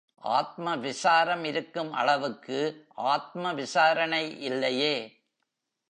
ஆத்ம விசாரம் இருக்கும் அளவுக்கு ஆத்ம விசாரணை இல்லையே..!